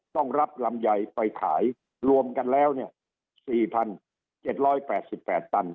ต้องรับลำใหญ่ไปขายรวมกันแล้วเนี่ยสี่พันเจ็ดร้อยแปดสิบแปดตัน